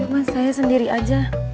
mas saya sendiri aja